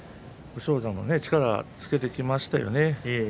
武将山は力をつけてきましたよね。